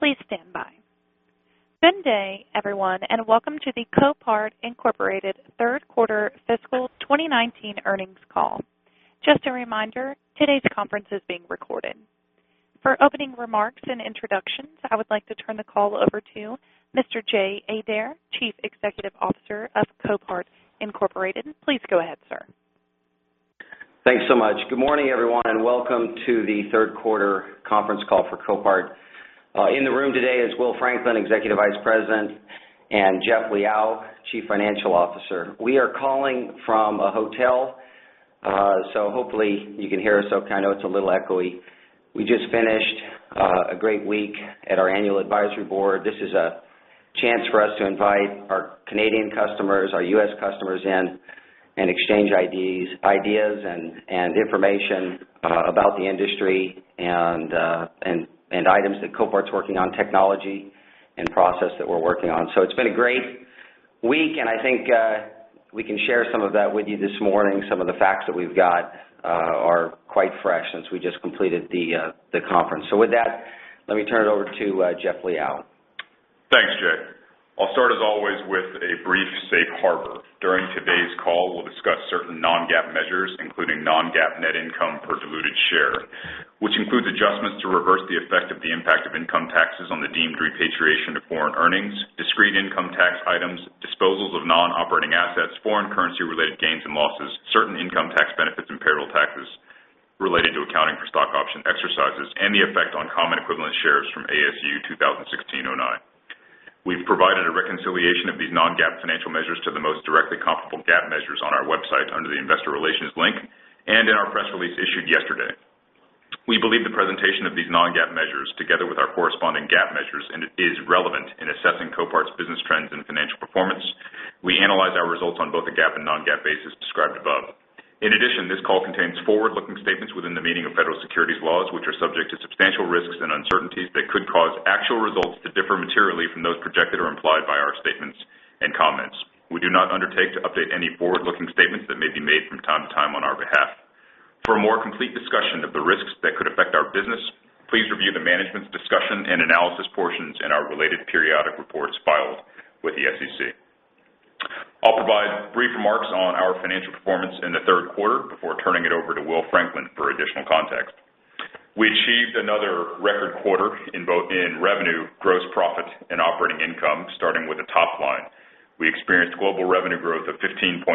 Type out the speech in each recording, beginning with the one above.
Please stand by. Good day, everyone. Welcome to the Copart Incorporated third quarter fiscal 2019 earnings call. Just a reminder, today's conference is being recorded. For opening remarks and introductions, I would like to turn the call over to Mr. Jay Adair, Chief Executive Officer of Copart Incorporated. Please go ahead, sir. Thanks so much. Good morning, everyone. Welcome to the third quarter conference call for Copart. In the room today is Will Franklin, Executive Vice President, and Jeff Liaw, Chief Financial Officer. We are calling from a hotel. Hopefully you can hear us okay. I know it's a little echoey. We just finished a great week at our annual advisory board. This is a chance for us to invite our Canadian customers, our U.S. customers in. Exchange ideas and information about the industry and items that Copart's working on, technology and process that we're working on. It's been a great week. I think we can share some of that with you this morning. Some of the facts that we've got are quite fresh since we just completed the conference. With that, let me turn it over to Jeff Liaw. Thanks, Jay. I'll start, as always, with a brief safe harbor. During today's call, we'll discuss certain non-GAAP measures, including non-GAAP net income per diluted share, which includes adjustments to reverse the effect of the impact of income taxes on the deemed repatriation of foreign earnings, discrete income tax items, disposals of non-operating assets, foreign currency-related gains and losses, certain income tax benefits and payroll taxes related to accounting for stock option exercises, and the effect on common equivalent shares from ASU 2016-09. We've provided a reconciliation of these non-GAAP financial measures to the most directly comparable GAAP measures on our website under the investor relations link and in our press release issued yesterday. We believe the presentation of these non-GAAP measures, together with our corresponding GAAP measures, is relevant in assessing Copart's business trends and financial performance. We analyze our results on both a GAAP and non-GAAP basis described above. In addition, this call contains forward-looking statements within the meaning of federal securities laws, which are subject to substantial risks and uncertainties that could cause actual results to differ materially from those projected or implied by our statements and comments. We do not undertake to update any forward-looking statements that may be made from time to time on our behalf. For a more complete discussion of the risks that could affect our business, please review the management's discussion and analysis portions in our related periodic reports filed with the SEC. I'll provide brief remarks on our financial performance in the third quarter before turning it over to Will Franklin for additional context. We achieved another record quarter in revenue, gross profit, and operating income, starting with the top line. We experienced global revenue growth of 15.7%,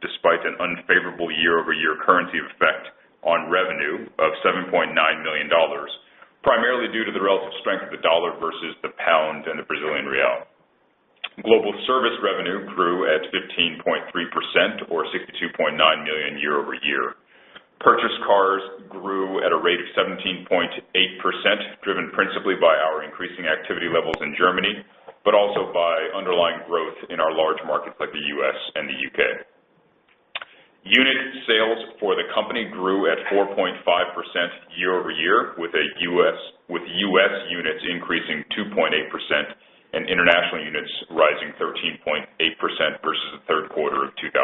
despite an unfavorable year-over-year currency effect on revenue of $7.9 million, primarily due to the relative strength of the dollar versus the pound and the Brazilian real. Global service revenue grew at 15.3%, or $62.9 million year-over-year. Purchased cars grew at a rate of 17.8%, driven principally by our increasing activity levels in Germany, but also by underlying growth in our large markets like the U.S. and the U.K. Unit sales for the company grew at 4.5% year-over-year, with U.S. units increasing 2.8% and international units rising 13.8% versus the third quarter of 2018.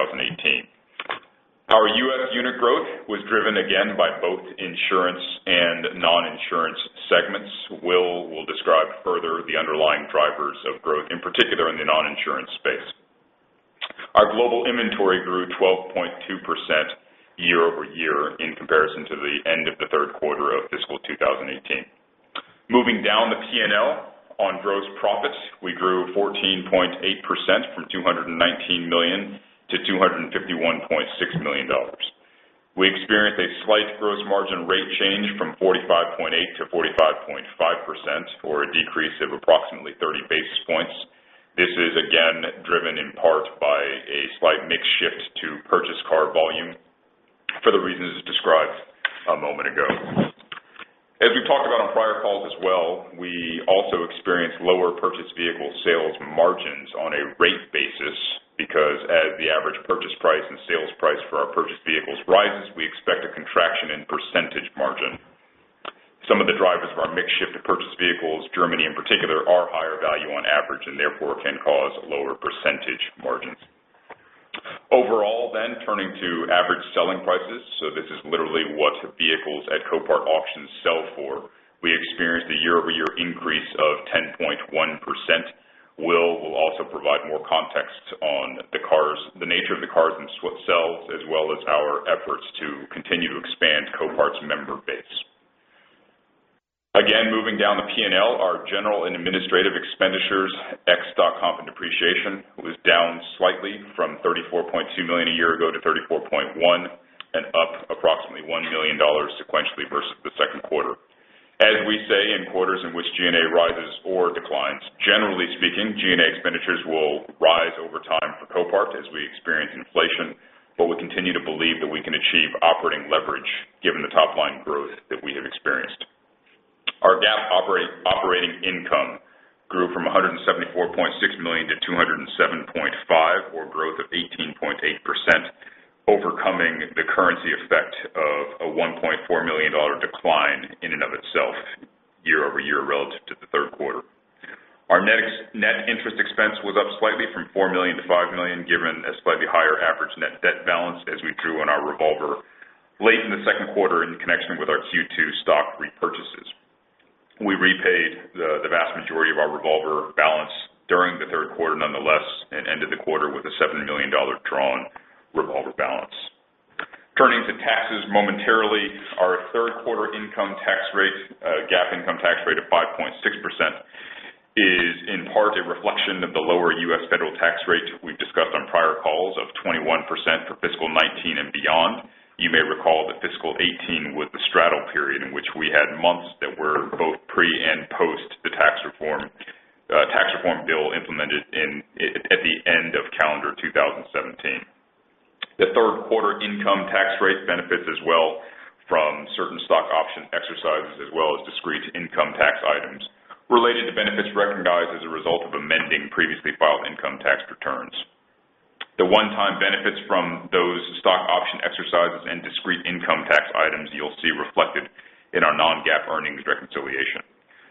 Our U.S. unit growth was driven again by both insurance and non-insurance segments. Will describe further the underlying drivers of growth, in particular in the non-insurance space. Our global inventory grew 12.2% year-over-year in comparison to the end of the third quarter of fiscal 2018. Moving down the P&L on gross profits, we grew 14.8%, from $219 million to $251.6 million. We experienced a slight gross margin rate change from 45.8% to 45.5%, or a decrease of approximately 30 basis points. This is again driven in part by a slight mix shift to purchased car volume for the reasons described a moment ago. As we've talked about on prior calls as well, we also experienced lower purchased vehicle sales margins on a rate basis because as the average purchase price and sales price for our purchased vehicles rises, we expect a contraction in percentage margin. Some of the drivers of our mix shift to purchased vehicles, Germany in particular, are higher value on average and therefore can cause lower percentage margins. Overall, turning to average selling prices, this is literally what vehicles at Copart auctions sell for. We experienced a year-over-year increase of 10.1%. Will also provide more context on the nature of the cars and what sells, as well as our efforts to continue to expand Copart's member base. Moving down the P&L, our general and administrative expenditures, ex stock comp and depreciation, was down slightly from $34.2 million a year ago to $34.1 million, and up approximately $1 million sequentially versus the second quarter. As we say in quarters in which G&A rises or declines, generally speaking, G&A expenditures will rise over time for Copart as we experience inflation, but we continue to believe that we can achieve operating leverage given the top-line growth that we have experienced. Our GAAP operating income grew from $174.6 million to $207.5 million, or growth of 18.8%, overcoming the currency effect of a $1.4 million decline in and of itself year-over-year relative to the third quarter. Our net interest expense was up slightly from $4 million to $5 million, given a slightly higher average net debt balance as we drew on our revolver late in the second quarter in connection with our Q2 stock repurchases. We repaid the vast majority of our revolver balance during the third quarter nonetheless and ended the quarter with a $7 million drawn revolver balance. Turning to taxes momentarily, our third quarter income tax rate, GAAP income tax rate of 5.6%, is in part a reflection of the lower U.S. federal tax rate we've discussed on prior calls of 21% for fiscal 2019 and beyond. You may recall that fiscal 2018 was the straddle period in which we had months that were both pre and post the tax reform bill implemented at the end of calendar 2017. The third quarter income tax rate benefits as well from certain stock option exercises as well as discrete income tax items related to benefits recognized as a result of amending previously filed income tax returns. The one-time benefits from those stock option exercises and discrete income tax items you'll see reflected in our non-GAAP earnings reconciliation.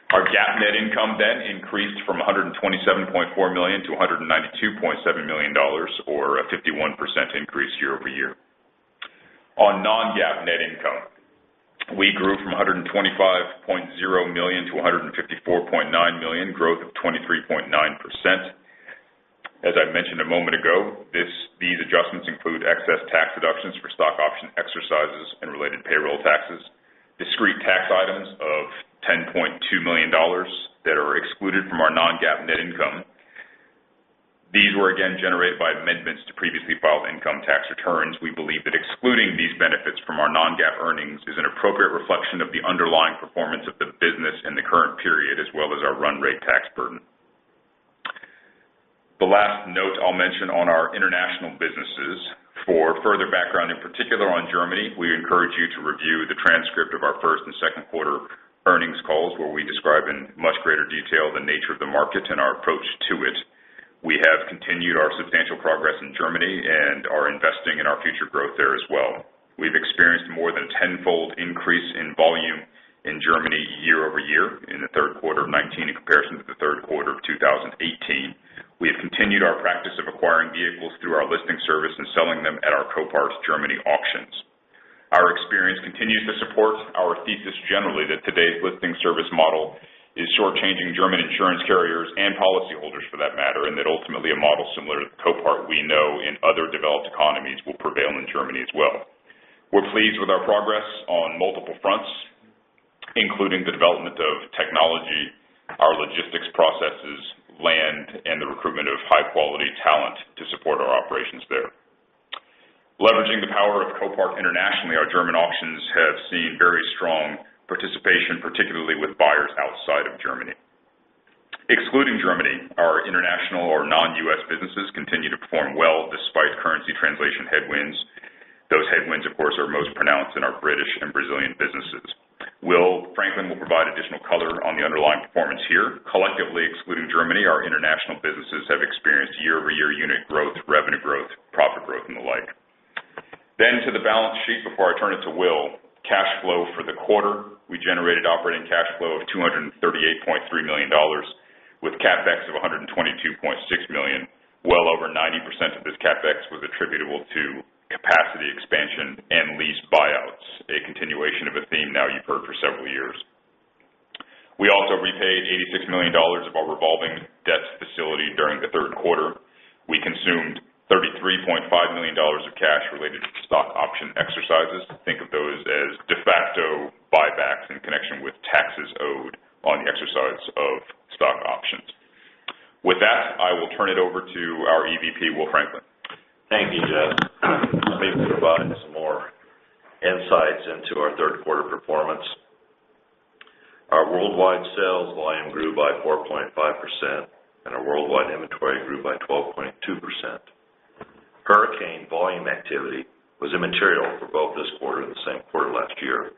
Our GAAP net income increased from $127.4 million to $192.7 million or a 51% increase year-over-year. On non-GAAP net income, we grew from $125.0 million to $154.9 million, a growth of 23.9%. As I mentioned a moment ago, these adjustments include excess tax deductions for stock option exercises and related payroll taxes, discrete tax items of $10.2 million that are excluded from our non-GAAP net income. These were again generated by amendments to previously filed income tax returns. We believe that excluding these benefits from our non-GAAP earnings is an appropriate reflection of the underlying performance of the business in the current period, as well as our run rate tax burden. The last note I'll mention on our international businesses, for further background in particular on Germany, we encourage you to review the transcript of our first and second quarter earnings calls, where we describe in much greater detail the nature of the market and our approach to it. We have continued our substantial progress in Germany and are investing in our future growth there as well. We've experienced more than tenfold increase in volume in Germany year-over-year in the third quarter of 2019, in comparison to the third quarter of 2018. We have continued our practice of acquiring vehicles through our listing service and selling them at our Copart's Germany auctions. Our experience continues to support our thesis generally that today's listing service model is short-changing German insurance carriers and policyholders for that matter, and that ultimately a model similar to the Copart we know in other developed economies will prevail in Germany as well. We're pleased with our progress on multiple fronts, including the development of technology, our logistics processes, land, and the recruitment of high-quality talent to support our operations there. Leveraging the power of Copart internationally, our German auctions have seen very strong participation, particularly with buyers outside of Germany. Excluding Germany, our international or non-U.S. businesses continue to perform well despite currency translation headwinds. Those headwinds, of course, are most pronounced in our British and Brazilian businesses. Will Franklin will provide additional color on the underlying performance here. Collectively excluding Germany, our international businesses have experienced year-over-year unit growth, revenue growth, profit growth, and the like. To the balance sheet before I turn it to Will. Cash flow for the quarter, we generated operating cash flow of $238.3 million with CapEx of $122.6 million. Well over 90% of this CapEx was attributable to capacity expansion and lease buyouts, a continuation of a theme now you've heard for several years. We also repaid $86 million of our revolving debt facility during the third quarter. We consumed $33.5 million of cash related to stock option exercises. Think of those as de facto buybacks in connection with taxes owed on the exercise of stock options. With that, I will turn it over to our EVP, Will Franklin. Thank you, Jeff. Let me provide some more insights into our third quarter performance. Our worldwide sales volume grew by 4.5%, and our worldwide inventory grew by 12.2%. Hurricane volume activity was immaterial for both this quarter and the same quarter last year.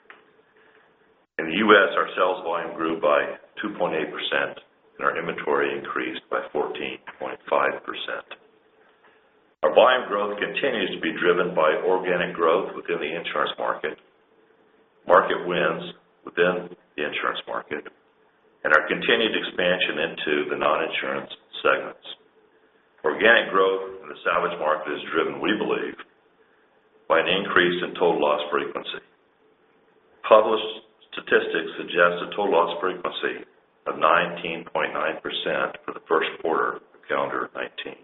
In the U.S., our sales volume grew by 2.8%, and our inventory increased by 14.5%. Our volume growth continues to be driven by organic growth within the insurance market wins within the insurance market, and our continued expansion into the non-insurance segments. Organic growth in the salvage market is driven, we believe, by an increase in total loss frequency. Published statistics suggest a total loss frequency of 19.9% for the first quarter of calendar 2019,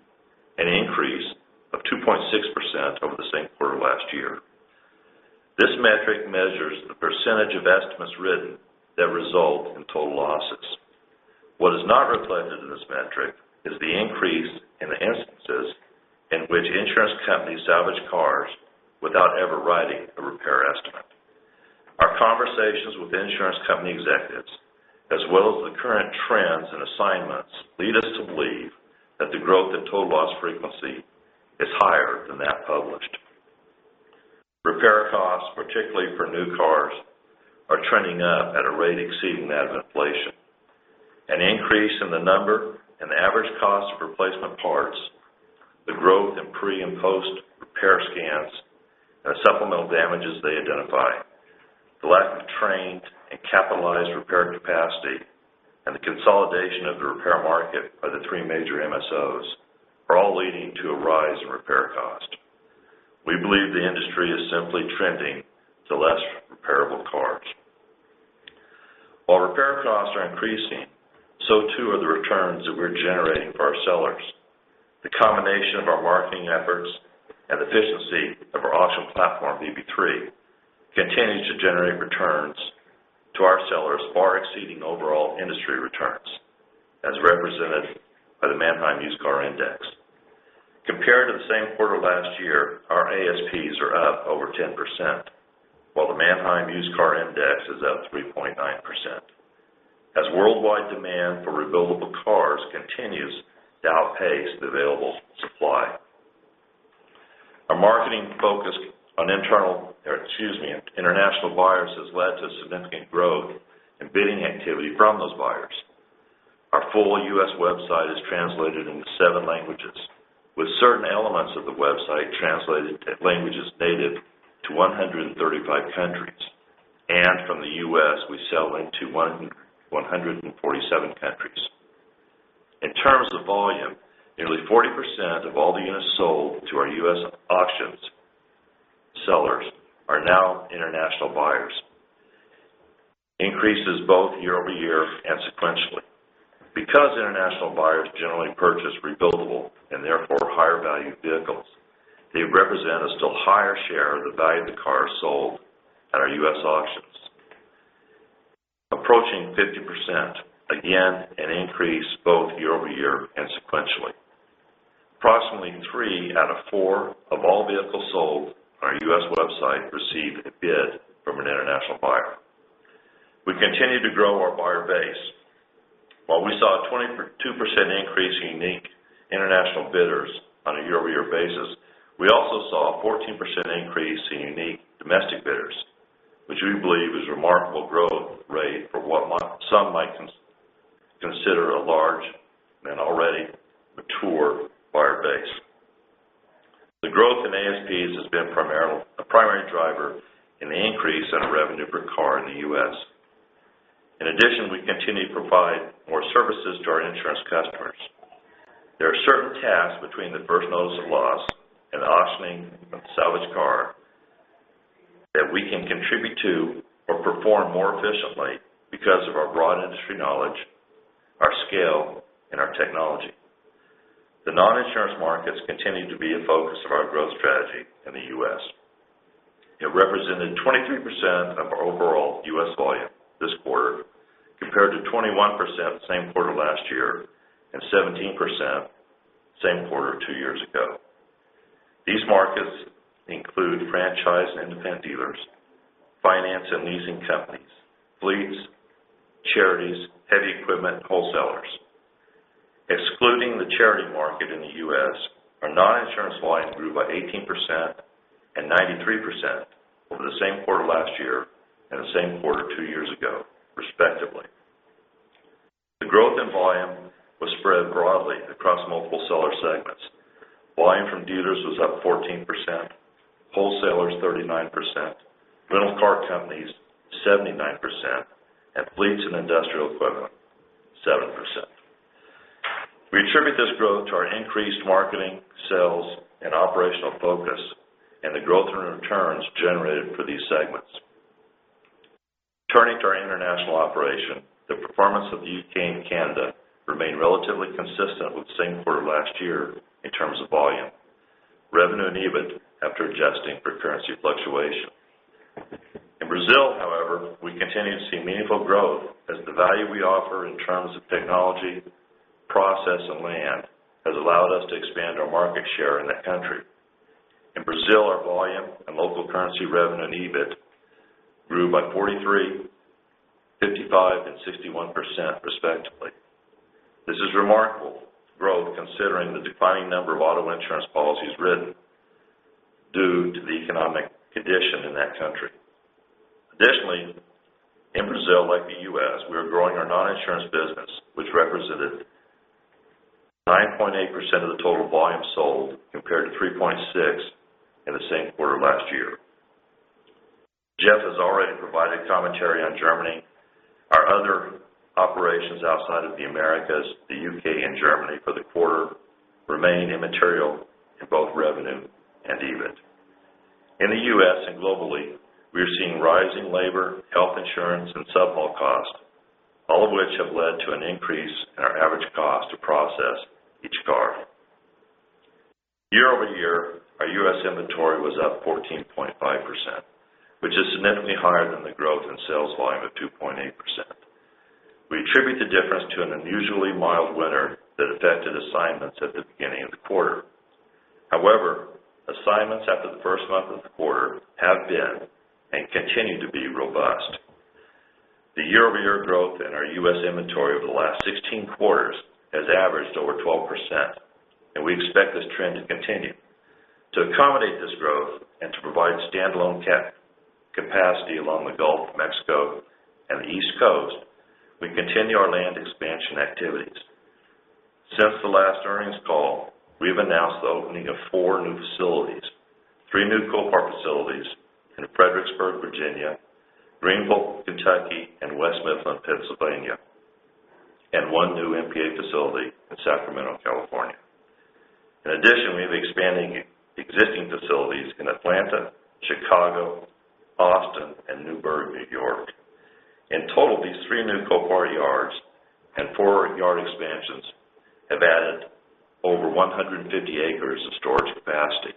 an increase of 2.6% over the same quarter last year. This metric measures the percentage of estimates written that result in total losses. What is not reflected in this metric is the increase in the instances in which insurance companies salvage cars without ever writing a repair estimate. Our conversations with insurance company executives, as well as the current trends and assignments, lead us to believe that the growth in total loss frequency is higher than that published. Repair costs, particularly for new cars, are trending up at a rate exceeding that of inflation. An increase in the number and average cost of replacement parts. Pre- and post-repair scans and the supplemental damages they identify, the lack of trained and capitalized repair capacity, and the consolidation of the repair market by the three major MSOs are all leading to a rise in repair cost. We believe the industry is simply trending to less repairable cars. While repair costs are increasing, so too are the returns that we're generating for our sellers. The combination of our marketing efforts and efficiency of our auction platform, VB3, continues to generate returns to our sellers far exceeding overall industry returns, as represented by the Manheim Used Vehicle Value Index. Compared to the same quarter last year, our ASPs are up over 10%, while the Manheim Used Vehicle Value Index is up 3.9%, as worldwide demand for rebuildable cars continues to outpace the available supply. Our marketing focus on international buyers has led to significant growth and bidding activity from those buyers. Our full U.S. website is translated into seven languages, with certain elements of the website translated in languages native to 135 countries. From the U.S., we sell into 147 countries. In terms of volume, nearly 40% of all the units sold to our U.S. auctions sellers are now international buyers, increases both year-over-year and sequentially. Because international buyers generally purchase rebuildable and therefore higher-value vehicles, they represent a still higher share of the value of the cars sold at our U.S. auctions. Approaching 50%, again, an increase both year-over-year and sequentially. Approximately three out of four of all vehicles sold on our U.S. website received a bid from an international buyer. We continue to grow our buyer base. While we saw a 22% increase in unique international bidders on a year-over-year basis, we also saw a 14% increase in unique domestic bidders, which we believe is a remarkable growth rate for what some might consider a large and already mature buyer base. The growth in ASPs has been a primary driver in the increase in our revenue per car in the U.S. In addition, we continue to provide more services to our insurance customers. There are certain tasks between the first notice of loss and the auctioning of the salvaged car that we can contribute to or perform more efficiently because of our broad industry knowledge, our scale, and our technology. The non-insurance markets continue to be a focus of our growth strategy in the U.S. It represented 23% of our overall U.S. volume this quarter, compared to 21% the same quarter last year and 17% the same quarter two years ago. These markets include franchise and independent dealers, finance and leasing companies, fleets, charities, heavy equipment wholesalers. Excluding the charity market in the U.S., our non-insurance volume grew by 18% and 93% over the same quarter last year and the same quarter two years ago, respectively. The growth in volume was spread broadly across multiple seller segments. Volume from dealers was up 14%, wholesalers 39%, rental car companies 79%, and fleets and industrial equipment 7%. We attribute this growth to our increased marketing, sales, and operational focus and the growth in returns generated for these segments. Turning to our international operation, the performance of the U.K. and Canada remained relatively consistent with the same quarter last year in terms of volume, revenue, and EBIT after adjusting for currency fluctuation. In Brazil, however, we continue to see meaningful growth as the value we offer in terms of technology, process, and land has allowed us to expand our market share in that country. In Brazil, our volume and local currency revenue and EBIT grew by 43%, 55%, and 61%, respectively. This is remarkable growth considering the declining number of auto insurance policies written due to the economic condition in that country. Additionally, in Brazil, like the U.S., we are growing our non-insurance business, which represented 9.8% of the total volume sold, compared to 3.6% in the same quarter last year. Jeff has already provided commentary on Germany. Our other operations outside of the Americas, the U.K., and Germany for the quarter remain immaterial in both revenue and EBIT. In the U.S. and globally, we are seeing rising labor, health insurance, and subhaul costs, all of which have led to an increase in our average cost to process each car. Year-over-year, our U.S. inventory was up 14.5%, which is significantly higher than the growth in sales volume of 2.8%. We attribute the difference to an unusually mild winter that affected assignments at the beginning of the quarter. However, assignments after the first month of the quarter have been and continue to be robust. The year-over-year growth in our U.S. inventory over the last 16 quarters has averaged over 12%, and we expect this trend to continue. To accommodate this growth and to provide stand-alone capacity along the Gulf of Mexico and the East Coast, we continue our land expansion activities. Since the last earnings call, we have announced the opening of four new facilities, three new Copart facilities in Fredericksburg, Virginia, Greenville, Kentucky, and West Mifflin, Pennsylvania, and one new NPA facility in Sacramento, California. In addition, we have expanding existing facilities in Atlanta, Chicago, Austin, and Newburgh, New York. In total, these three new Copart yards and four yard expansions have added over 150 acres of storage capacity.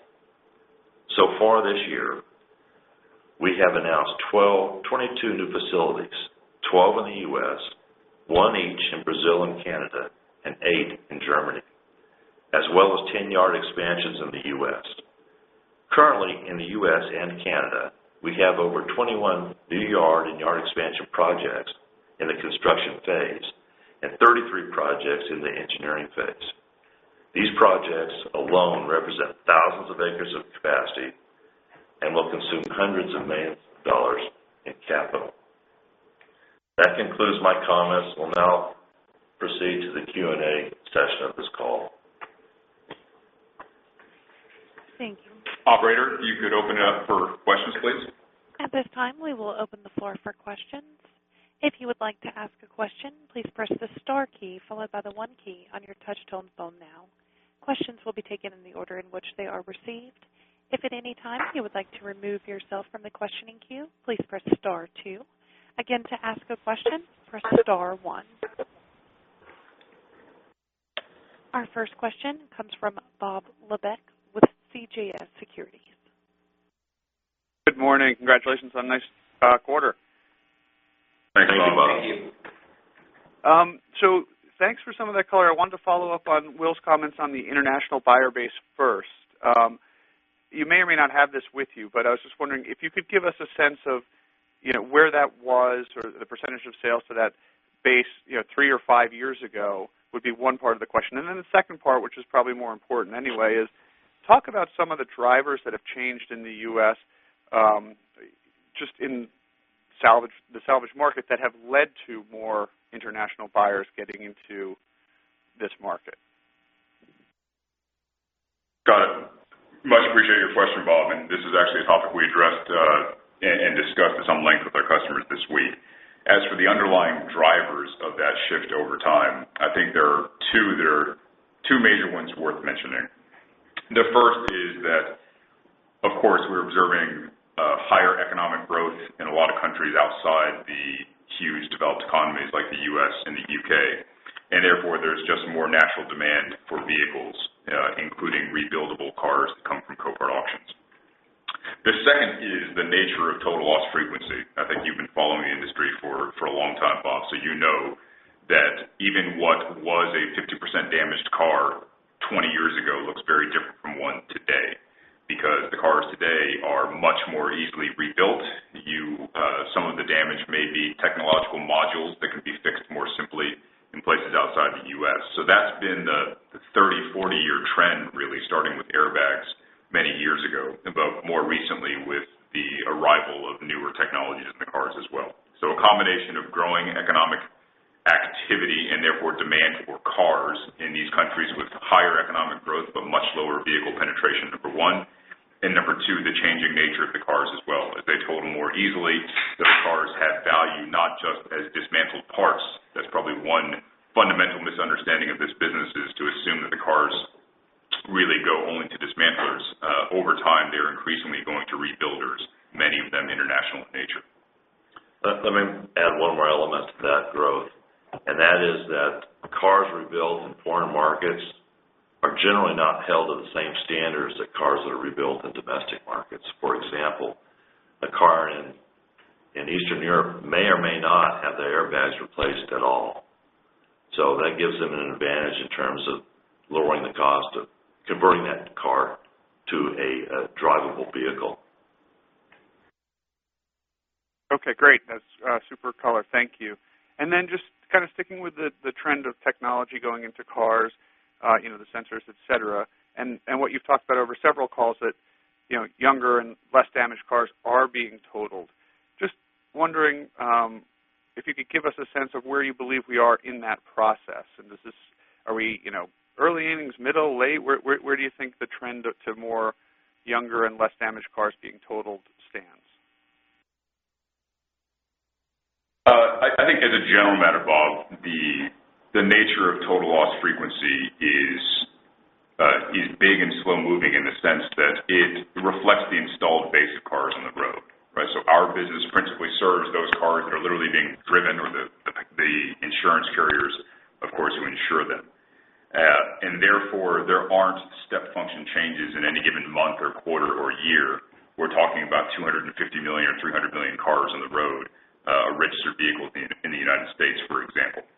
So far this year, we have announced 22 new facilities, 12 in the U.S., one each in Brazil and Canada, and eight in Germany. As well as 10 yard expansions in the U.S. Currently, in the U.S. and Canada, we have over 21 new yard and yard expansion projects in the construction phase and 33 projects in the engineering phase. These projects alone represent thousands of acres of capacity and will consume hundreds of millions of dollars in capital. That concludes my comments. We'll now proceed to the Q&A session of this call. Thank you. Operator, you could open it up for questions, please. At this time, we will open the floor for questions. If you would like to ask a question, please press the star key followed by the one key on your touch-tone phone now. Questions will be taken in the order in which they are received. If at any time you would like to remove yourself from the questioning queue, please press star two. Again, to ask a question, press star one. Our first question comes from Bob Labick with CJS Securities. Good morning. Congratulations on a nice quarter. Thanks a lot, Bob. Thank you. Thanks for some of that color. I wanted to follow up on Will's comments on the international buyer base first. You may or may not have this with you, but I was just wondering if you could give us a sense of where that was or the percentage of sales to that base three or five years ago, would be one part of the question. The second part, which is probably more important anyway, is talk about some of the drivers that have changed in the U.S., just in the salvage market that have led to more international buyers getting into this market. Got it. Much appreciate your question, Bob, this is actually a topic we addressed and discussed at some length with our customers this week. As for the underlying drivers of that shift over time, I think there are two major ones worth mentioning. The first is that, of course, we're observing higher economic growth in a lot of countries outside the huge developed economies like the U.S. and the U.K. Therefore, there's just more natural demand for vehicles, including rebuildable cars that come from Copart Auctions. The second is the nature of total loss frequency. I think you've been following the industry for a long time, Bob, so you know that even what was a 50% damaged car 20 years ago looks very different from one today because the cars today are much more easily rebuilt. Some of the damage may be technological modules that can be fixed more simply in places outside the U.S. That's been the 30, 40-year trend, really, starting with airbags many years ago, but more recently with the arrival of newer technologies in the cars as well. A combination of growing economic activity and therefore demand for cars in these countries with higher economic growth but much lower vehicle penetration, number 1. Number 2, the changing nature of the cars as well. As they total more easily, those cars have value not just as dismantled parts. That's probably one fundamental misunderstanding of this business is to assume that the cars really go only to dismantlers. Over time, they're increasingly going to rebuilders, many of them international in nature. Let me add one more element to that growth, that is that cars rebuilt in foreign markets are generally not held to the same standards that cars that are rebuilt in domestic markets. For example, a car in Eastern Europe may or may not have the airbags replaced at all. That gives them an advantage in terms of lowering the cost of converting that car to a drivable vehicle. Okay, great. That's a super color. Thank you. Just kind of sticking with the trend of technology going into cars, the sensors, et cetera, and what you've talked about over several calls that younger and less damaged cars are being totaled. Just wondering if you could give us a sense of where you believe we are in that process. Are we early innings, middle, late? Where do you think the trend to more younger and less damaged cars being totaled stands? I think as a general matter, Bob Labick, the nature of total loss frequency is big and slow-moving in the sense that it reflects the installed base of cars on the road, right? Our business principally serves those cars that are literally being driven or the insurance carriers, of course, who insure them. There aren't step function changes in any given month or quarter or year. We're talking about 250 million or 300 million cars on the road, registered vehicles in the U.S., for example.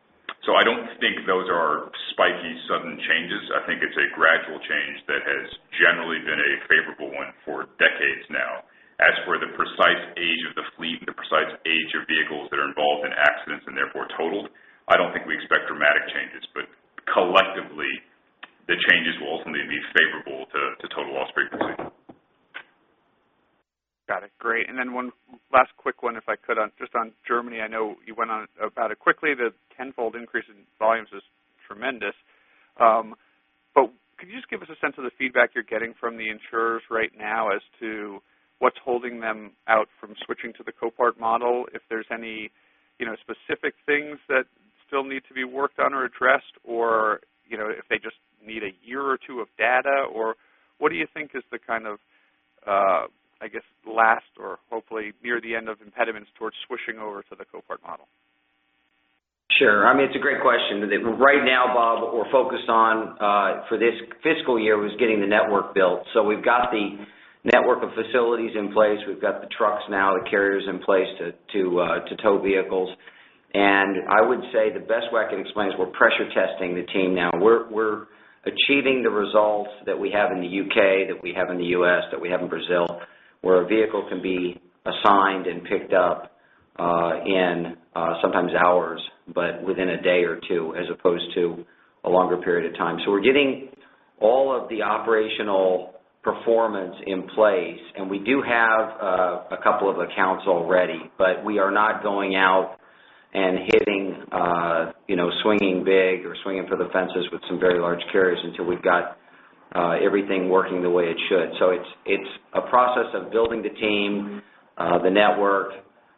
I don't think those are spiky, sudden changes. I think it's a gradual change that has generally been a favorable one for decades now. As for the precise age of the fleet and the precise age of vehicles that are involved in accidents and therefore totaled, I don't think. Got it. Great. One last quick one if I could on, just on Germany. I know you went on about it quickly. The tenfold increase in volumes is tremendous. Could you just give us a sense of the feedback you're getting from the insurers right now as to what's holding them out from switching to the Copart model, if there's any specific things that still need to be worked on or addressed or, if they just need a year or 2 of data? What do you think is the kind of, I guess, last or hopefully near the end of impediments towards switching over to the Copart model? Sure. I mean, it's a great question. Right now, Bob Labick, we're focused on, for this fiscal year, was getting the network built. We've got the network of facilities in place. We've got the trucks now, the carriers in place to tow vehicles. I would say the best way I can explain is we're pressure testing the team now. We're achieving the results that we have in the U.K., that we have in the U.S., that we have in Brazil, where a vehicle can be assigned and picked up in sometimes hours, but within a day or 2, as opposed to a longer period of time. We're getting all of the operational performance in place, and we do have a couple of accounts already. We are not going out and hitting, swinging big or swinging for the fences with some very large carriers until we've got everything working the way it should. It's a process of building the team, the network,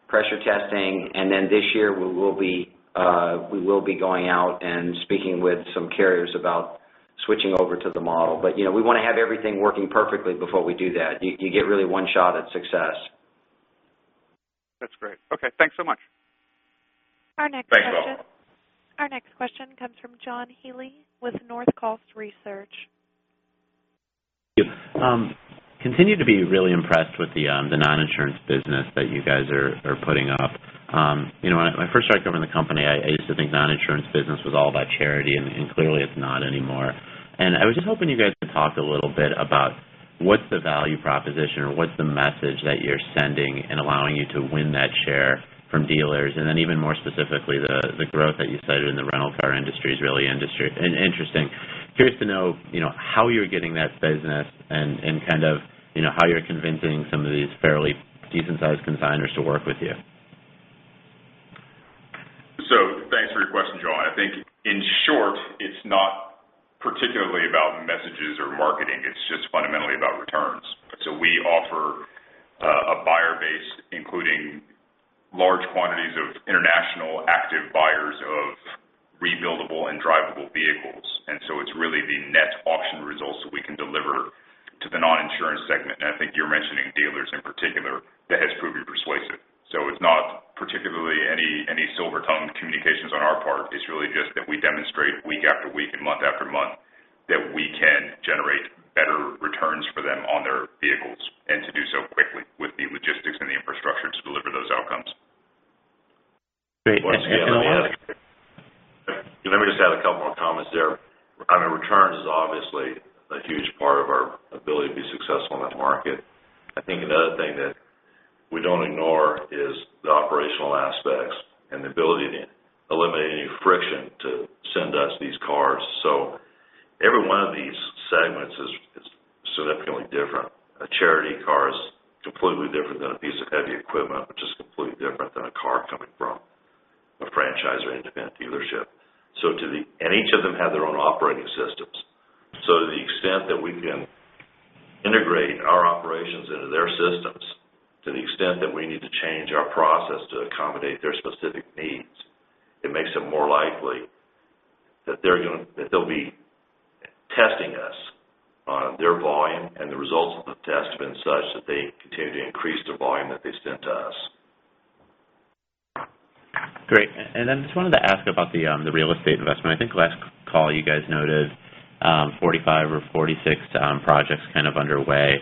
pressure testing, and then this year we will be going out and speaking with some carriers about switching over to the model. We want to have everything working perfectly before we do that. You get really one shot at success. That's great. Okay. Thanks so much. Thanks, Bob. Our next question comes from John Healy with Northcoast Research. Yep. Continue to be really impressed with the non-insurance business that you guys are putting up. When I first started covering the company, I used to think non-insurance business was all about charity, and clearly it's not anymore. I was just hoping you guys could talk a little bit about what's the value proposition or what's the message that you're sending in allowing you to win that share from dealers, then even more specifically, the growth that you cited in the rental car industry is really interesting. Curious to know how you're getting that business and kind of how you're convincing some of these fairly decent-sized consigners to work with you. Thanks for your question, John. I think, in short, it's not particularly about messages or marketing. It's just fundamentally about returns. We offer a buyer base, including large quantities of international active buyers of rebuildable and drivable vehicles. It's really the net auction results that we can deliver to the non-insurance segment, and I think you're mentioning dealers in particular, that has proven persuasive. It's not particularly any silver-tongued communications on our part. It's really just that we demonstrate week after week and month after month that we can generate better returns for them on their vehicles, and to do so quickly with the logistics and the infrastructure to deliver those outcomes. Great. Just anything to add? Let me just add a couple more comments there. I mean, returns is obviously a huge part of our ability to be successful in that market. I think another thing that we don't ignore is the operational aspects and the ability to eliminate any friction to send us these cars. Every one of these segments is significantly different. A charity car is completely different than a piece of heavy equipment, which is completely different than a car coming from a franchised or independent dealership. Each of them have their own operating systems. To the extent that we can integrate our operations into their systems, to the extent that we need to change our process to accommodate their specific needs, it makes it more likely that they'll be testing us on their volume. The results of the test have been such that they continue to increase the volume that they send to us. Great. Just wanted to ask about the real estate investment. I think last call, you guys noted 45 or 46 projects kind of underway.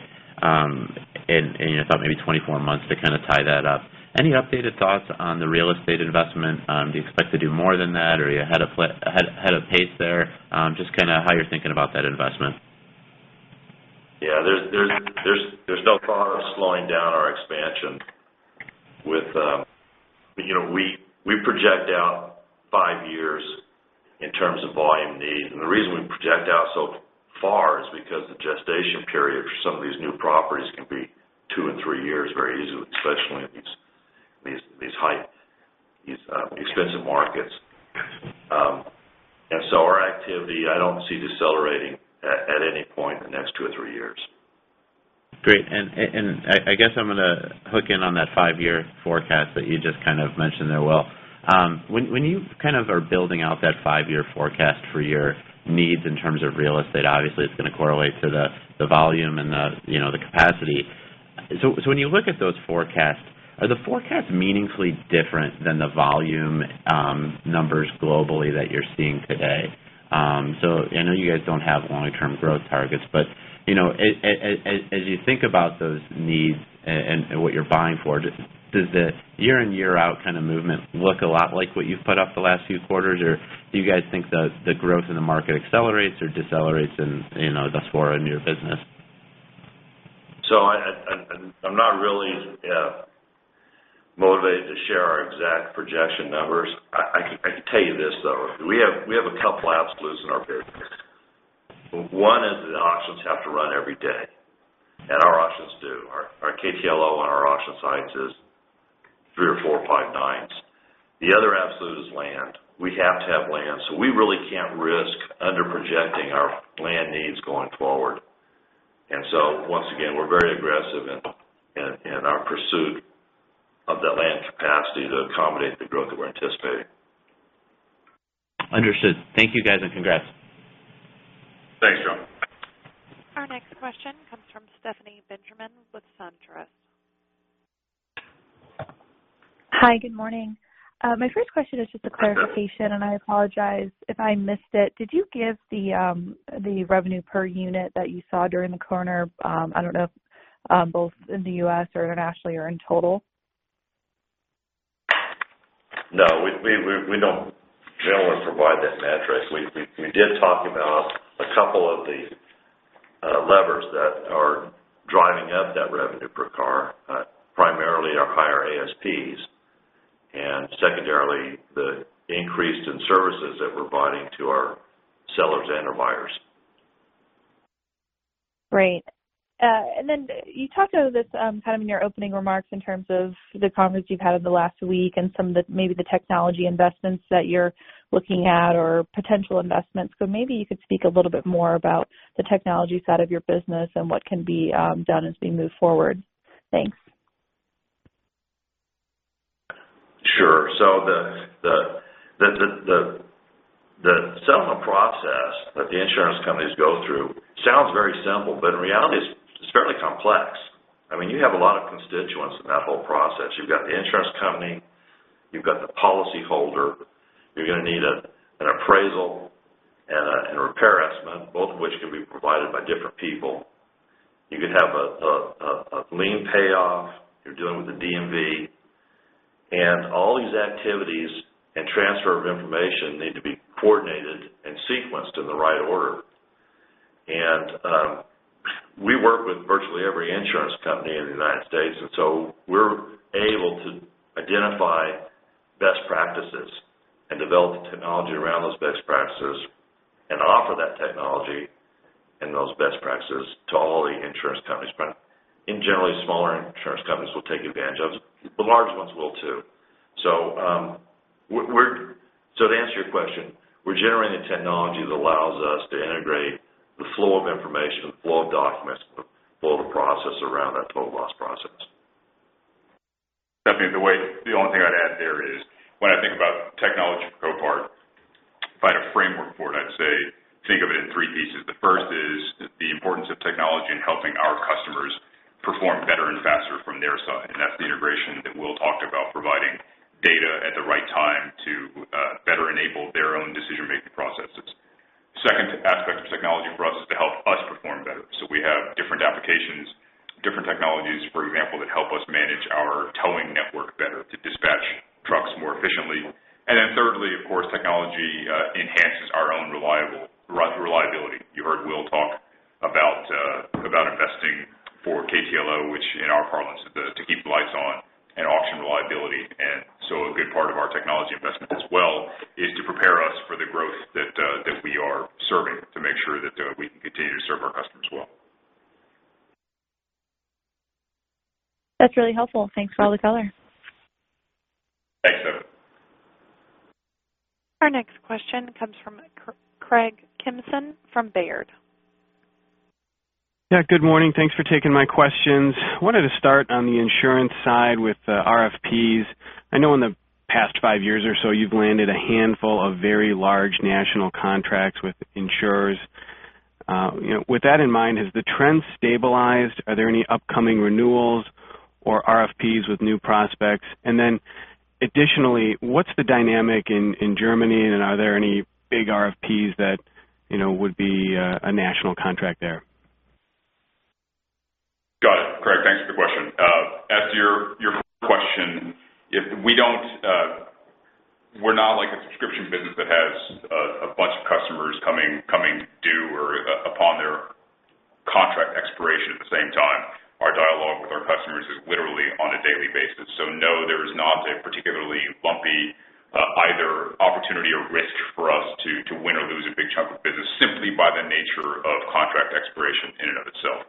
You thought maybe 24 months to kind of tie that up. Any updated thoughts on the real estate investment? Do you expect to do more than that, or are you ahead of pace there? Just kind of how you're thinking about that investment. Yeah. There's no thought of slowing down our expansion. We project out five years in terms of volume need. The reason we project out so far is because the gestation period for some of these new properties can be two and three years very easily, especially in these expensive markets. Our activity, I don't see decelerating at any point in the next two or three years. Great. I guess I'm going to hook in on that five-year forecast that you just kind of mentioned there, Will. When you kind of are building out that five-year forecast for your needs in terms of real estate, obviously it's going to correlate to the volume and the capacity. When you look at those forecasts, are the forecasts meaningfully different than the volume numbers globally that you're seeing today? I know you guys don't have long-term growth targets, but as you think about those needs and what you're buying for, does the year-in, year-out kind of movement look a lot like what you've put up the last few quarters? Or do you guys think the growth in the market accelerates or decelerates in the forefront of your business? I'm not really motivated to share our exact projection numbers. I can tell you this, though. We have a couple absolutes in our business. One is that auctions have to run every day, and our auctions do. Our KTLO on our auction sites is three or four or five nines. The other absolute is land. We have to have land, so we really can't risk under-projecting our land needs going forward. Once again, we're very aggressive in our pursuit of that land capacity to accommodate the growth that we're anticipating. Understood. Thank you, guys, and congrats. Thanks, John. Our next question comes from Stephanie Benjamin with SunTrust. Hi, good morning. My first question is just a clarification, and I apologize if I missed it. Did you give the revenue per unit that you saw during the quarter, I don't know if both in the U.S. or internationally or in total? No, we don't want to provide that metric. We did talk about a couple of the levers that are driving up that revenue per car. Primarily our higher ASPs and secondarily the increase in services that we're providing to our sellers and our buyers. Great. You talked about this kind of in your opening remarks in terms of the progress you've had over the last week and some of maybe the technology investments that you're looking at or potential investments. Maybe you could speak a little bit more about the technology side of your business and what can be done as we move forward. Thanks. Sure. The settlement process that the insurance companies go through sounds very simple, but in reality, it's fairly complex. You have a lot of constituents in that whole process. You've got the insurance company. You've got the policyholder. You're going to need an appraisal and a repair estimate, both of which can be provided by different people. You could have a lien payoff. You're dealing with the DMV. All these activities and transfer of information need to be coordinated and sequenced in the right order. We work with virtually every insurance company in the United States, and so we're able to identify best practices and develop the technology around those best practices and offer that technology and those best practices to all the insurance companies. In general, smaller insurance companies will take advantage of it. The large ones will, too. To answer your question, we're generating technology that allows us to integrate the flow of information, the flow of documents, the flow of the process around that total loss process. Stephanie, the only thing I'd add there is when I think about technology for Copart, if I had a framework for it, I'd say think of it in three pieces. The first is the importance of technology in helping our customers perform better and faster from their side, that's the integration that Will talked about, providing data at the right time to better enable their own decision-making processes. Second aspect of technology for us is to help us perform better. We have different applications, different technologies, for example, that help us manage our towing network better to dispatch trucks more efficiently. Thirdly, of course, technology enhances our own reliability. You heard Will talk about investing for KTLO, which in our parlance is to keep the lights on and auction reliability. A good part of our technology investment as well is to prepare us for the growth that we are serving to make sure that we can continue to serve our customers well. That's really helpful. Thanks for all the color. Thanks, Stephanie. Our next question comes from Craig Kennison from Baird. Yeah, good morning. Thanks for taking my questions. I wanted to start on the insurance side with the RFPs. I know in the past five years or so, you've landed a handful of very large national contracts with insurers. With that in mind, has the trend stabilized? Are there any upcoming renewals or RFPs with new prospects? Additionally, what's the dynamic in Germany, and are there any big RFPs that would be a national contract there? Got it. Craig, thanks for the question. As to your question, we're not like a subscription business that has a bunch of customers coming due or upon their contract expiration at the same time. Our dialogue with our customers is literally on a daily basis. No, there is not a particularly bumpy either opportunity or risk for us to win or lose a big chunk of business simply by the nature of contract expiration in and of itself.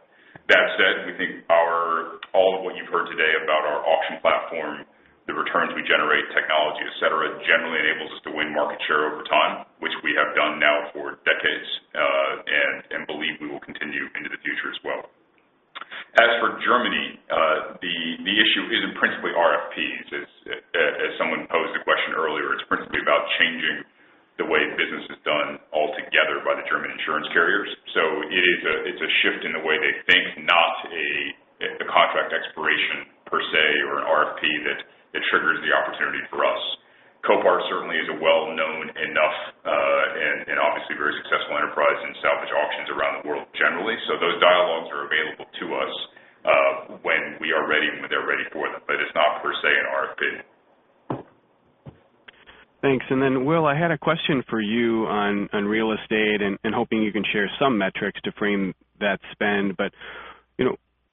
That said, we think all of what you've heard today about our auction platform, the returns we generate, technology, et cetera, generally enables us to win market share over time, which we have done now for decades, and believe we will continue into the future as well. As for Germany, the issue isn't principally RFPs. As someone posed a question earlier, it's principally about changing the way business is done altogether by the German insurance carriers. It's a shift in the way they think, not a contract expiration per se or an RFP that triggers the opportunity for us. Copart certainly is a well-known enough, and obviously very successful enterprise in salvage auctions around the world generally. Those dialogues are available to us when we are ready and when they're ready for them. It's not per se an RFP. Thanks. Will, I had a question for you on real estate and hoping you can share some metrics to frame that spend.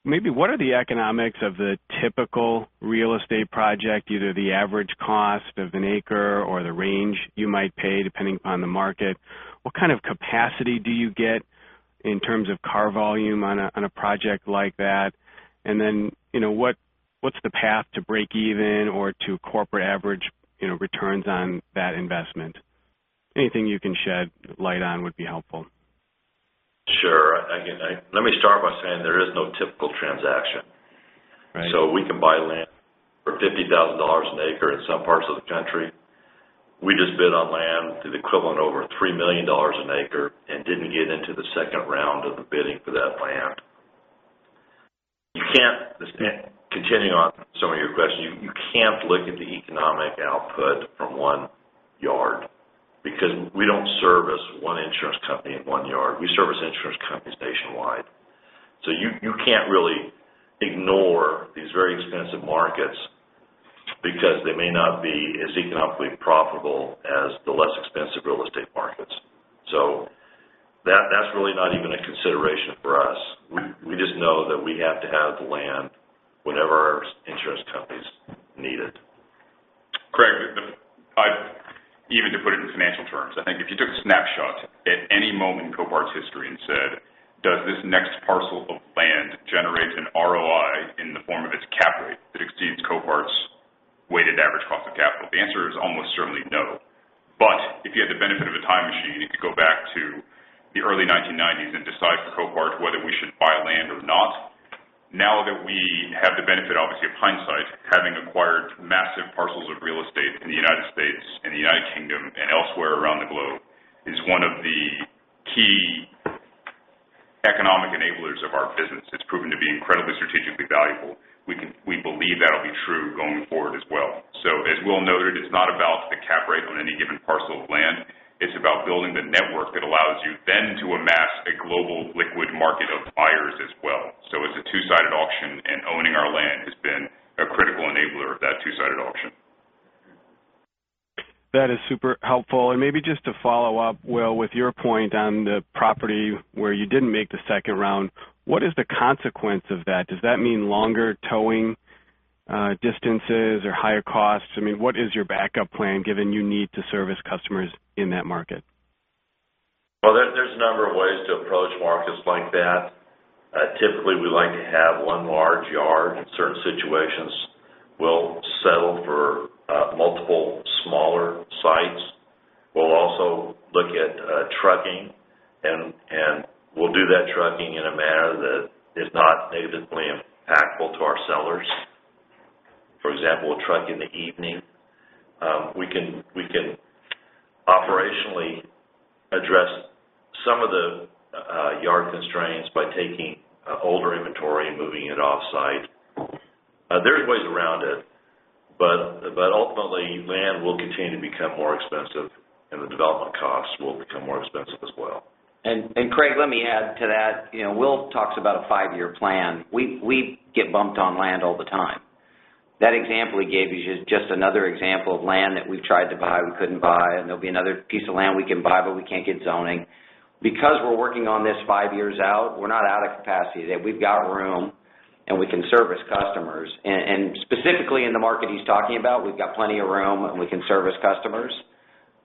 Maybe what are the economics of the typical real estate project, either the average cost of an acre or the range you might pay depending upon the market? What kind of capacity do you get in terms of car volume on a project like that? What's the path to break even or to corporate average returns on that investment? Anything you can shed light on would be helpful. Sure. Let me start by saying there is no typical transaction. Right. We can buy land for $50,000 an acre in some parts of the country. We just bid on land the equivalent of over $3 million an acre and didn't get into the second round of the bidding for that land. Continuing on some of your questions, you can't look at the economic output from one yard because we don't service one insurance company in one yard. We service insurance companies nationwide. You can't really ignore these very expensive markets because they may not be as economically profitable as the less expensive real estate markets. That's really not even a consideration for us. We just know that we have to have the land whenever our insurance companies need it. Craig, even to put it in financial terms, I think if you took a snapshot at any moment in Copart's history and said, "Does this next parcel of land generate an ROI in the form of its cap rate that exceeds Copart's weighted average cost of capital?" The answer is almost certainly no. If you had the benefit of a time machine, you could go back to the early 1990s and decide for Copart whether we should buy land or not. That we have the benefit, obviously, of hindsight, having acquired massive parcels of real estate in the U.S. and the U.K. and elsewhere around the globe is one of the key economic enablers of our business. It's proven to be incredibly strategically valuable. We believe that'll be true going forward as well. As Will noted, it's not about the cap rate on any given parcel of land, it's about building the network that allows you then to amass a global liquid market of buyers as well. It's a two-sided auction, and owning our land has been a critical enabler of that two-sided auction. That is super helpful. Maybe just to follow up, Will, with your point on the property where you didn't make the second round, what is the consequence of that? Does that mean longer towing distances or higher costs? What is your backup plan given you need to service customers in that market? Well, there's a number of ways to approach markets like that. Typically, we like to have one large yard. In certain situations, we'll settle for multiple smaller sites. We'll also look at trucking, and we'll do that trucking in a manner that is not negatively impactful to our sellers. For example, we'll truck in the evening. We can operationally address some of the yard constraints by taking older inventory and moving it off-site. Ultimately, land will continue to become more expensive, and the development costs will become more expensive as well. Craig, let me add to that. Will talks about a five-year plan. We get bumped on land all the time. That example he gave you is just another example of land that we've tried to buy, we couldn't buy, and there'll be another piece of land we can buy, but we can't get zoning. Because we're working on this five years out, we're not out of capacity today. We've got room, and we can service customers. Specifically in the market he's talking about, we've got plenty of room, and we can service customers,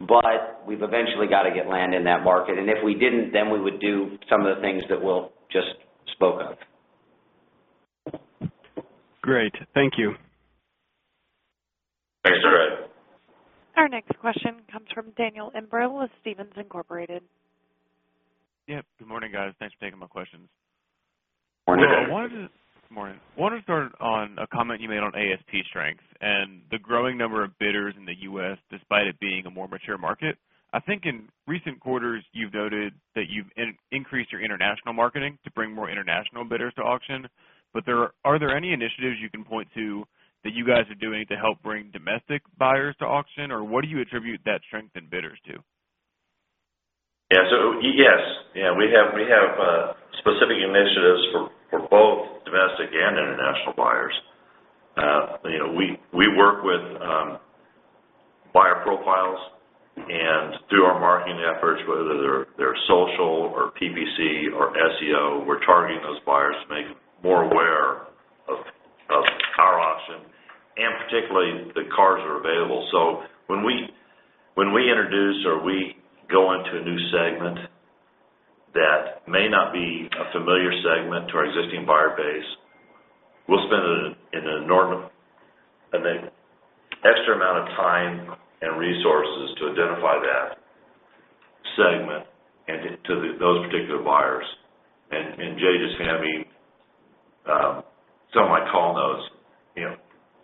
but we've eventually got to get land in that market. If we didn't, then we would do some of the things that Will just spoke of. Great. Thank you. Thanks, Craig. Our next question comes from Daniel Imbro of Stephens Inc. Good morning, guys. Thanks for taking my questions. Morning. Morning. I wanted to start on a comment you made on ASP strength and the growing number of bidders in the U.S., despite it being a more mature market. I think in recent quarters, you've noted that you've increased your international marketing to bring more international bidders to auction. Are there any initiatives you can point to that you guys are doing to help bring domestic buyers to auction? What do you attribute that strength in bidders to? Yes. We have specific initiatives for both domestic and international buyers. We work with buyer profiles and through our marketing efforts, whether they're social or PPC or SEO, we're targeting those buyers to make them more aware of car auction and particularly the cars that are available. When we introduce or we go into a new segment that may not be a familiar segment to our existing buyer base, we'll spend an enormous, extra amount of time and resources to identify that segment and to those particular buyers. Jay just handed me some of my call notes.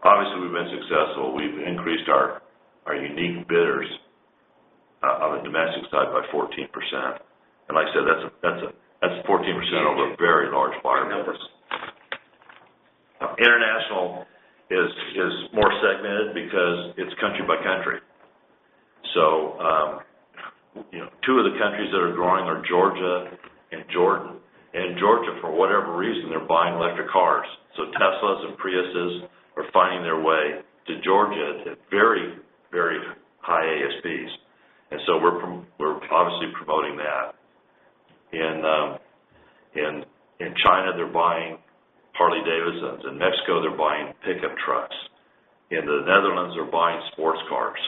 Obviously, we've been successful. We've increased our unique bidders on the domestic side by 14%. Like I said, that's 14% over a very large buyer numbers. International is more segmented because it's country by country. Two of the countries that are growing are Georgia and Jordan. In Georgia, for whatever reason, they're buying electric cars. Teslas and Priuses are finding their way to Georgia at very high ASPs. We're obviously promoting that. In China, they're buying Harley-Davidsons. In Mexico, they're buying pickup trucks. In the Netherlands, they're buying sports cars.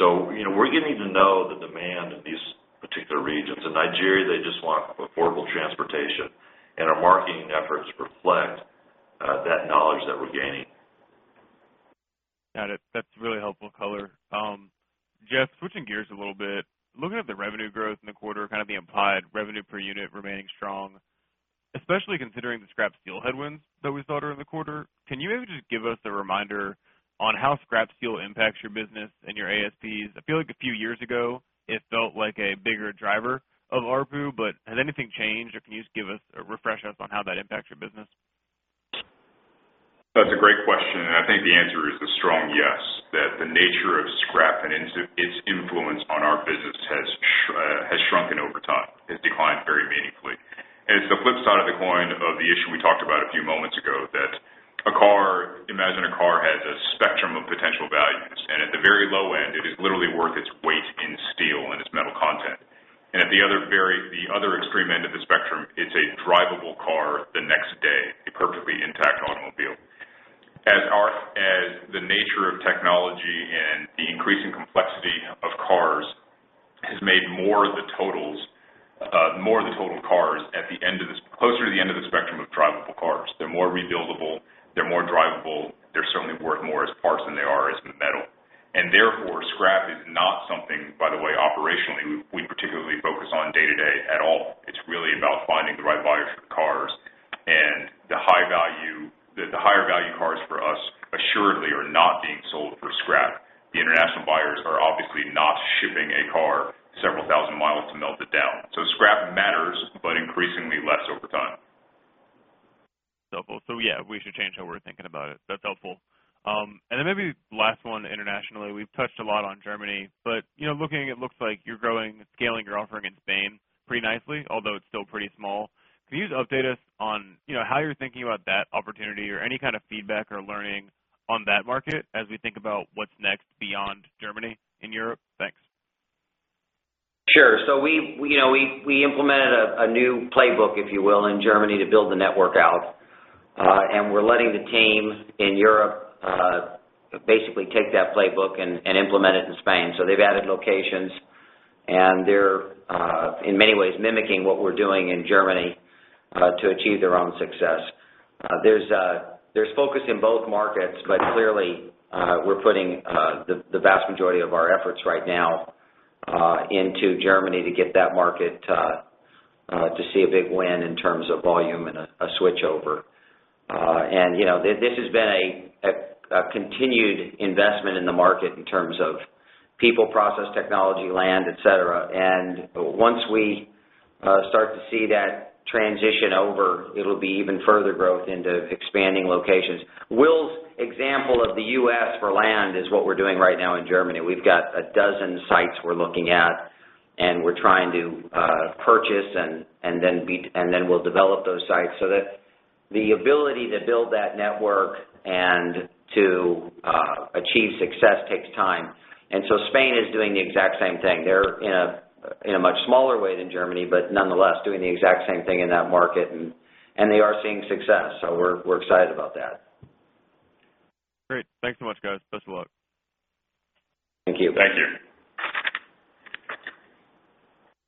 We're getting to know the demand in these particular regions. In Nigeria, they just want affordable transportation, and our marketing efforts reflect that knowledge that we're gaining. Got it. That's really helpful color. Jeff, switching gears a little bit, looking at the revenue growth in the quarter, the implied revenue per unit remaining strong, especially considering the scrap steel headwinds that we saw during the quarter. Can you maybe just give us a reminder on how scrap steel impacts your business and your ASPs? I feel like a few years ago, it felt like a bigger driver of ARPU, but has anything changed, or can you just refresh us on how that impacts your business? That's a great question. I think the answer is a strong yes, that the nature of scrap and its influence on our business has shrunken over time, has declined very meaningfully. It's the flip side of the coin of the issue we talked about a few moments ago, that imagine a car has a spectrum of potential values. At the very low end, it is literally worth its weight in steel and its metal content. At the other extreme end of the spectrum, it's a drivable car the next day, a perfectly intact automobile. As the nature of technology and the increasing complexity of cars has made more of the total cars closer to the end of the spectrum of drivable cars. They're more rebuildable. They're more drivable. They're certainly worth more as parts than they are as metal. Therefore, scrap is not something, by the way, operationally, we particularly focus on day-to-day at all. It's really about finding the right buyers for cars. The higher value cars for us assuredly are not being sold for scrap. The international buyers are obviously not shipping a car several thousand miles to melt it down. Scrap matters, but increasingly less over time. Helpful. Yeah, we should change how we're thinking about it. That's helpful. Then maybe last one internationally, we've touched a lot on Germany, but it looks like you're scaling your offering in Spain pretty nicely, although it's still pretty small. Can you just update us on how you're thinking about that opportunity or any kind of feedback or learning on that market as we think about what's next beyond Germany in Europe? Thanks. We implemented a new playbook, if you will, in Germany to build the network out. We're letting the teams in Europe basically take that playbook and implement it in Spain. They've added locations, and they're, in many ways, mimicking what we're doing in Germany to achieve their own success. There's focus in both markets, but clearly, we're putting the vast majority of our efforts right now into Germany to get that market to see a big win in terms of volume and a switchover. This has been a continued investment in the market in terms of people, process, technology, land, et cetera. Once we start to see that transition over, it'll be even further growth into expanding locations. Will's example of the U.S. for land is what we're doing right now in Germany. We've got a dozen sites we're looking at, we're trying to purchase, then we'll develop those sites so that the ability to build that network and to achieve success takes time. Spain is doing the exact same thing. They're in a much smaller way than Germany, but nonetheless, doing the exact same thing in that market, and they are seeing success. We're excited about that. Great. Thanks so much, guys. Best of luck. Thank you. Thank you.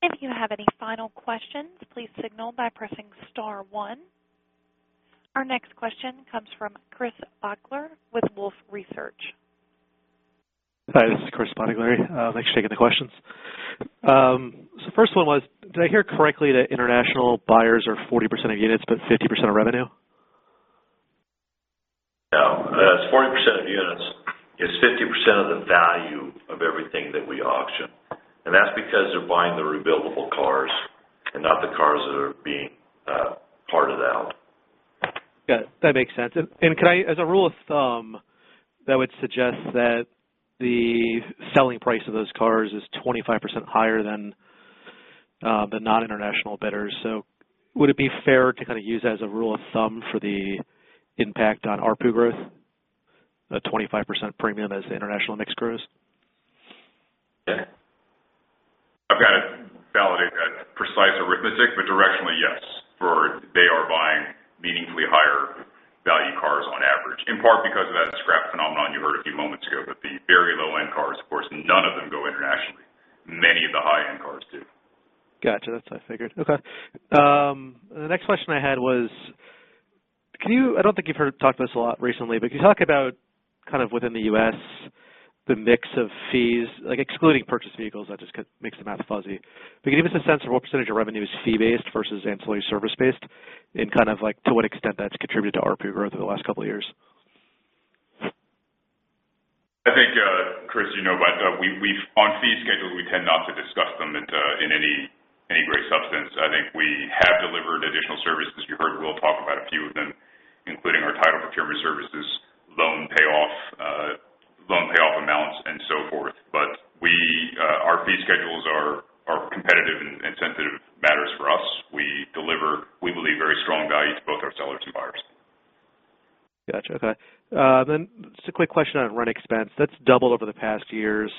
If you have any final questions, please signal by pressing star one. Our next question comes from Chris Bottiglieri with Wolfe Research. Hi, this is Chris Bottiglieri. Thanks for taking the questions. The first one was, did I hear correctly that international buyers are 40% of units but 50% of revenue? No. It's 40% of units. It's 50% of the value of everything that we auction, that's because they're buying the rebuildable cars and not the cars that are being parted out. Got it. That makes sense. As a rule of thumb, that would suggest that the selling price of those cars is 25% higher than the non-international bidders. Would it be fair to use that as a rule of thumb for the impact on ARPU growth, a 25% premium as the international mix grows? Yeah. I've got to validate that precise arithmetic, but directionally, yes. They are buying meaningfully higher value cars on average, in part because of that scrap phenomenon you heard a few moments ago. The very low-end cars, of course, none of them go internationally. Many of the high-end cars do. Got you. That's what I figured. Okay. The next question I had was, I don't think you've talked about this a lot recently, but can you talk about kind of within the U.S., the mix of fees, like excluding purchased vehicles, that just makes the math fuzzy. Can you give us a sense of what % of revenue is fee-based versus ancillary service-based, and to what extent that's contributed to ARPU growth over the last couple of years? I think, Chris, you know about on fee schedules, we tend not to discuss them. Including our title procurement services, loan payoff amounts, and so forth. Our fee schedules are competitive and sensitive matters for us. We deliver, we believe, very strong value to both our sellers and buyers. Got you. Okay. Just a quick question on rent expense. That's doubled over the past years.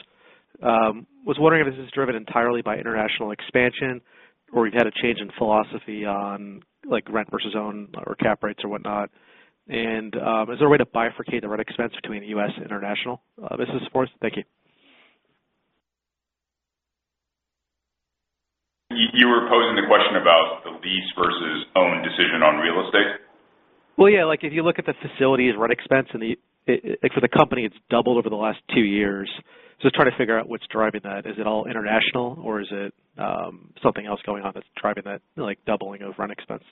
Was wondering if this is driven entirely by international expansion or you've had a change in philosophy on rent versus own or cap rates or whatnot. Is there a way to bifurcate the rent expense between U.S. and international business supports? Thank you. You were posing the question about the lease versus own decision on real estate? Well, yeah. If you look at the facilities rent expense, for the company, it's doubled over the last 2 years. Just trying to figure out what's driving that. Is it all international or is it something else going on that's driving that doubling of rent expense?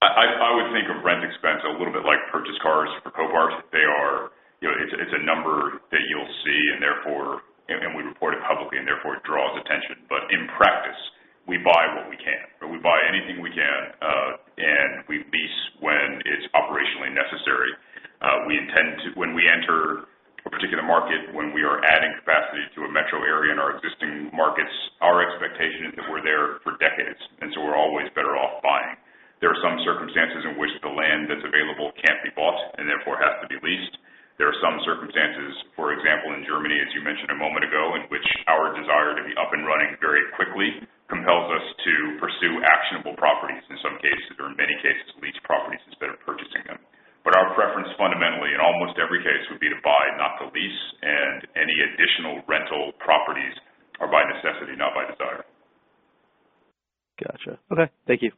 I would think of rent expense a little bit like purchased cars for Copart. It's a number that you'll see, we report it publicly and therefore it draws attention. In practice, we buy what we can, or we buy anything we can, and we lease when it's operationally necessary. When we enter a particular market, when we are adding capacity to a metro area in our existing markets, our expectation is that we're there for decades, we're always better off buying. There are some circumstances in which the land that's available can't be bought and therefore has to be leased. There are some circumstances, for example, in Germany, as you mentioned a moment ago, in which our desire to be up and running very quickly compels us to pursue actionable properties. In some cases, or in many cases, lease properties instead of purchasing them. Our preference fundamentally in almost every case would be to buy, not to lease, and any additional rental properties are by necessity, not by desire. Got you. Okay. Thank you.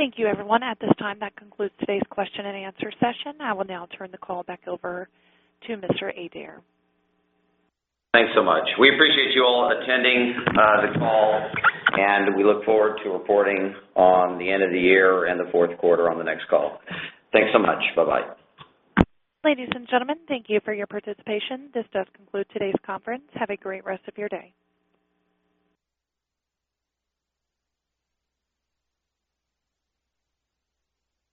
Thank you, everyone. At this time, that concludes today's question and answer session. I will now turn the call back over to Mr. Adair. Thanks so much. We appreciate you all attending the call, and we look forward to reporting on the end of the year and the fourth quarter on the next call. Thanks so much. Bye-bye. Ladies and gentlemen, thank you for your participation. This does conclude today's conference. Have a great rest of your day.